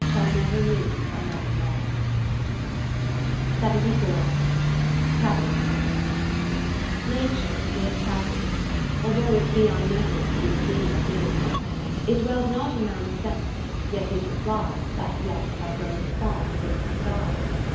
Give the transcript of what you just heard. Shall never need another Law. 80 Happiness Nature courts Happiness^ although it be Unknown as the Athenian Deity. It dwells not in man's sense, yet he supplies That want by growing fond of its disguise.